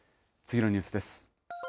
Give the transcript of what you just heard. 次のニュースです。